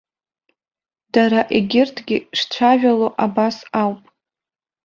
Дара егьырҭгьы шцәажәало абас ауп.